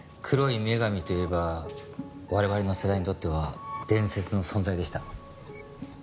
黒い女神といえば我々の世代にとっては伝説の存在でした。